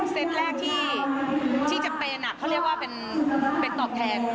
เซตแรกที่จะเป็นเขาเรียกว่าเป็นตอบแทน